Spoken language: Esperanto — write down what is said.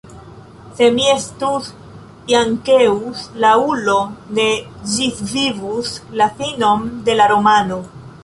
Se mi estus Jankeus, la ulo ne ĝisvivus la finon de la romano.